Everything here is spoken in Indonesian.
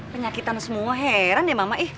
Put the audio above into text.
penyakitan semua heran ya mama i